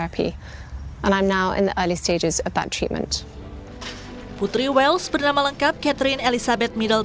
ini mengambil waktu untuk saya berkembang untuk perubahan besar untuk memulai perubahan saya